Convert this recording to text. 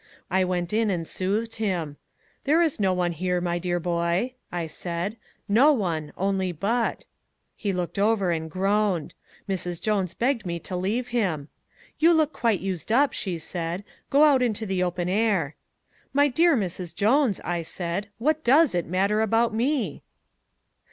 "I went in and soothed him. 'There is no one here, my dear boy,' I said, 'no one, only Butt.' He turned over and groaned. Mrs. Jones begged me to leave him. 'You look quite used up,' she said. 'Go out into the open air.' 'My dear Mrs. Jones,' I said, 'what DOES it matter about me?'"